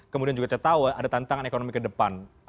kemudian juga kita tahu ada tantangan ekonomi ke depan